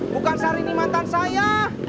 bukan sarini mantan saya